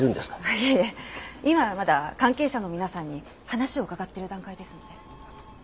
いえ今はまだ関係者の皆さんに話を伺っている段階ですので。